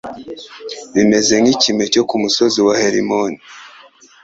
Bimeze nk’ikime cyo ku musozi wa Herimoni